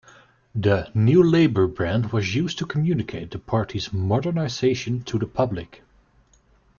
The "New Labour" brand was used to communicate the party's modernisation to the public.